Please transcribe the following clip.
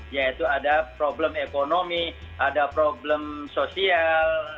yaitu ada problem ekonomi ada problem sosial